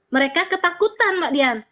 mereka ketakutan mbak dian